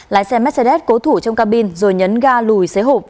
lái xe mercedes cố thủ trong cabin rồi nhấn ga lùi xế hộp